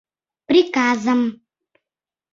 Приказым.